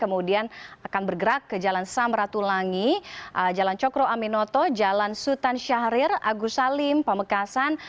kemudian akan bergerak ke jalan samratulangi jalan cokro aminoto jalan sultan syahrir agus salim pamekasan